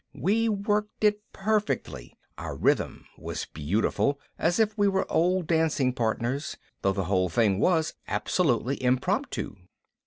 We worked it perfectly, our rhythm was beautiful, as if we were old dancing partners, though the whole thing was absolutely impromptu.